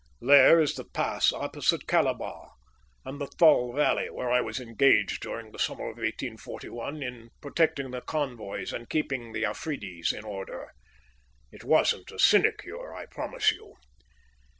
There is the pass opposite Kalabagh and the Thul valley, where I was engaged during the summer of 1841 in protecting the convoys and keeping the Afridis in order. It wasn't a sinecure, I promise you."